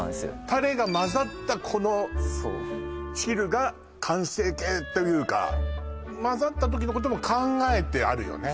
タレが混ざったこのそう汁が完成形というか混ざった時のことも考えてあるよね